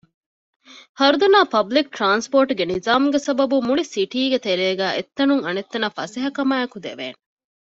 ހަރުދަނާ ޕަބްލިކު ޓްރާންސްޕޯޓުގެ ނިޒާމުގެ ސަބަބުން މުޅި ސިޓީގެ ތެރޭގައި އެއްތަނުން އަނެއްތަނަށް ފަސޭހަކަމާއެކު ދެވޭނެ